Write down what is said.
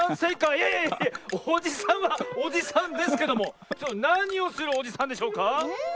いやいやいやおじさんはおじさんですけどもなにをするおじさんでしょうか？